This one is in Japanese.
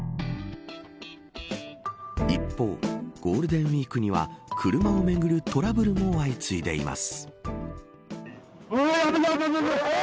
一方、ゴールデンウイークには車をめぐるトラブルも相次いでいます。